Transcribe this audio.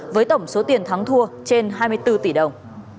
với tổng số tiền thắng thua trên hai mươi bốn tỷ đồng